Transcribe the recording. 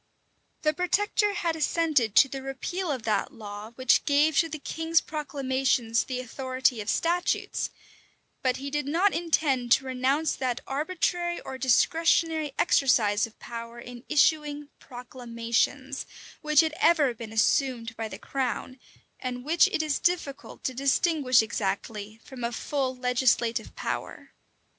{1548.} The protector had assented to the repeal of that law which gave to the king's proclamations the authority of statutes; but he did not intend to renounce that arbitrary or discretionary exercise of power, in issuing proclamations, which had ever been assumed by the crown, and which it is difficult to distinguish exactly from a full legislative power.